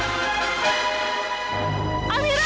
awal mak'su tempat werden